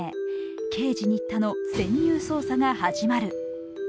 刑事・新田の潜入捜査が始まる。